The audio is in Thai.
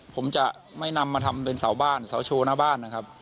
ผมจะไม่นำมาทำเป็นเสาบ้านเสาโชว์หน้าบ้านนะครับ